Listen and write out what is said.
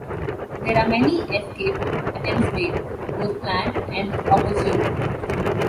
There are many escape attempts made, both planned and opportune.